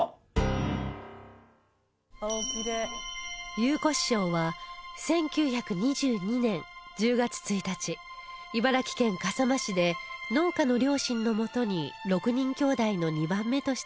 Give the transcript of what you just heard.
祐子師匠は１９２２年１０月１日茨城県笠間市で農家の両親のもとに６人きょうだいの２番目として生まれました